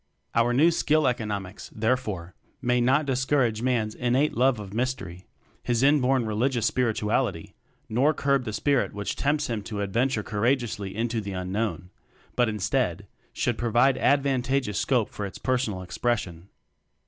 Our new Skill Economics, there fore, may not discourage man's in nate love of mystery, his inborn re ligious spirituality nor curb the spirit which tempts him to adventure courageously into the unknown; but instead should provide advantageous scope for its personal expression.